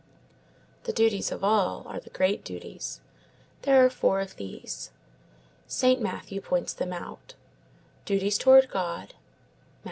The duties of all are the great duties. There are four of these. Saint Matthew points them out: duties towards God (_Matt.